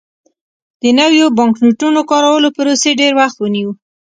د نویو بانکنوټونو کارولو پروسې ډېر وخت ونیو.